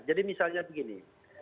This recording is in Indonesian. jadi misalnya begini